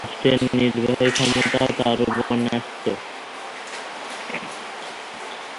সেটা ছিল পারসি স্টাইলের বিপরীত।